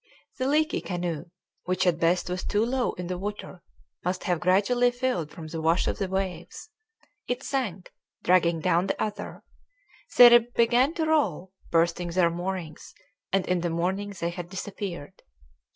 The leaky canoe, which at best was too low in the water, must have gradually filled from the wash of the waves. It sank, dragging down the other; they began to roll, bursting their moorings; and in the morning they had disappeared.